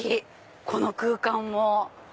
この空間も。